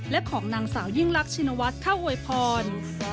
และของนางสาวยิ่งรักชินวัฒน์เข้าอวยพร